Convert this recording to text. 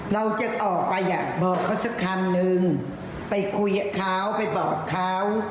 เราจะออกไปอยากบอกเขาสักคำนึงไปคุยกับเขาไปบอกเขา